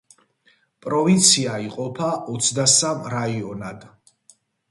პროვინცია იყოფა ოცდასამ რაიონად.